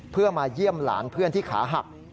เพื่อมาเยี่ยมหลานเพื่อนที่ขาหัก